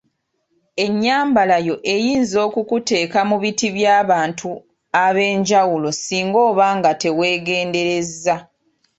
Ennyambala yo eyinza okukuteeka mu biti by'abantu ab‘enjawulo singa oba nga teweegenderezza.